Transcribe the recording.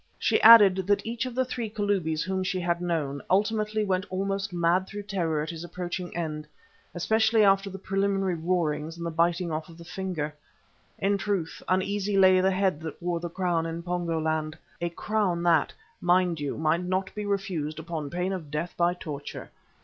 She added, that each of the three Kalubis whom she had known, ultimately went almost mad through terror at his approaching end, especially after the preliminary roarings and the biting off of the finger. In truth uneasy lay the head that wore a crown in Pongo land, a crown that, mind you, might not be refused upon pain of death by torture.